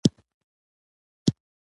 دا د ځینو خواصو لپاره ادامه وکړه.